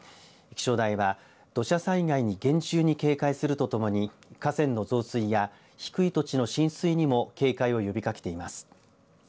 気象台は土砂災害に厳重に警戒するとともに河川の増水や低い土地の浸水にも警戒を呼びかけています。